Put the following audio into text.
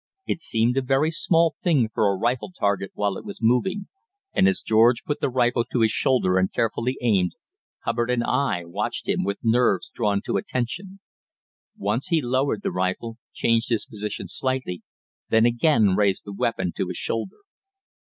It seemed a very small thing for a rifle target while it was moving, and as George put the rifle to his shoulder and carefully aimed, Hubbard and I watched him with nerves drawn to a tension. Once he lowered the rifle, changed his position slightly, then again raised the weapon to his shoulder.